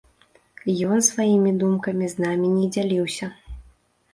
Ён сваімі думкамі з намі не дзяліўся.